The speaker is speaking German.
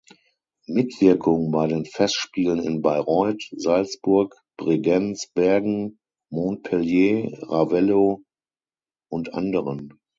Mitwirkung bei den Festspielen in Bayreuth, Salzburg, Bregenz, Bergen, Montpellier, Ravello und anderen.